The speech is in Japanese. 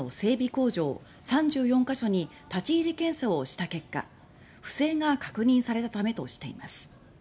工場３４か所に立ち入り検査をした結果不正が確認されたためとしています。